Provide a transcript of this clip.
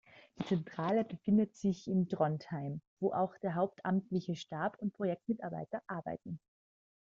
Die Zentrale befindet sich in Trondheim, wo auch der hauptamtlichen Stab und Projektmitarbeiter arbeiten.